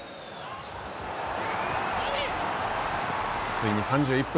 ついに３１分。